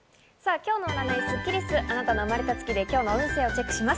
今日の占いスッキりす、あなたの生まれた月で今日の運勢をチェックします。